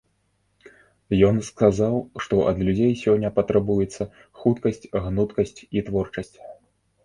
Ён сказаў, што ад людзей сёння патрабуецца хуткасць, гнуткасць і творчасць.